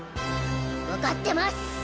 わかってます！